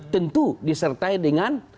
tentu disertai dengan